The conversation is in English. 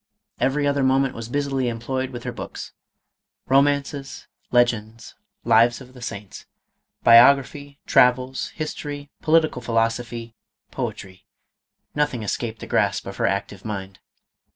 Every other moment was busily employed with her books. Komances, legends, lives of the saints, biog raphy, travels, history, political philosophy, poetry — nothing escaped the grasp of her active mind.